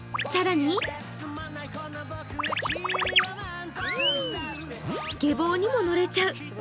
更に、スケボーにも乗れちゃう。